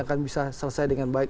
akan bisa selesai dengan baik